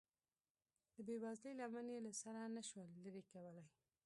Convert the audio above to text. د بې وزلۍ لمن یې له سره نشوه لرې کولی.